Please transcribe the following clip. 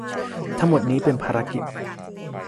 ทั้งหมดนี้เป็นภารกิจ